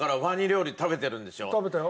食べたよ。